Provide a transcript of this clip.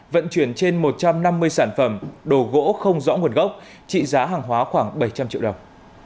vận chuyển trên một trăm năm mươi sản phẩm đồ gỗ không rõ nguồn gốc trị giá hàng hóa khoảng bảy trăm linh triệu đồng